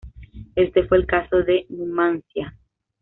Este fue el caso de Numancia.